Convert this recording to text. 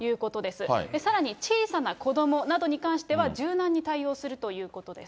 さらに、小さな子ども、これについては柔軟に対応するということです。